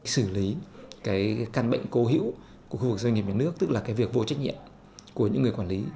sử lý căn bệnh cố hữu của khu vực doanh nghiệp nhà nước tức là việc vô trách nhiệm của những người quản lý